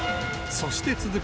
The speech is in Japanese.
そして続く